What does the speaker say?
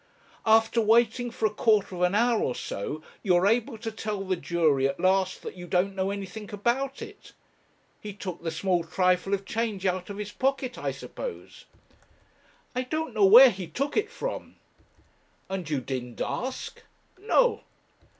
'After waiting for a quarter of an hour or so, you are able to tell the jury at last that you don't know anything about it. He took the small trifle of change out of his pocket, I suppose?' 'I don't know where he took it from.' 'And you didn't ask?' 'No.'